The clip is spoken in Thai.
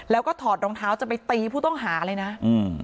แล้วก็ถอดรองเท้าจะไปตีผู้ต้องหาเลยนะอืม